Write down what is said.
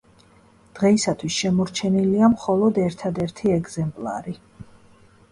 დღეისათვის შემორჩენილია მხოლოდ ერთადერთი ეგზემპლარი.